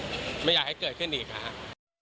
คือไม่อยากให้เกิดเครื่องอีกนะครับ